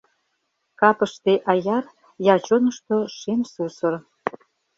Капыште аяр я чонышто шем сусыр.